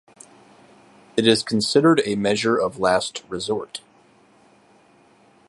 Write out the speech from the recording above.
It is considered a measure of last resort.